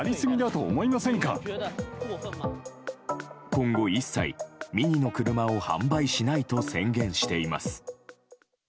今後一切、ＭＩＮＩの車を販売しないと宣言しています。